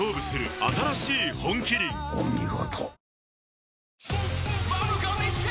お見事。